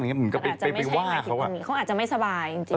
มึงก็ไปว่าเขาอ่ะเขาอาจจะไม่สบายจริง